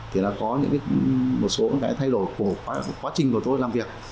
thì nó có những một số cái thay đổi của quá trình của tôi làm việc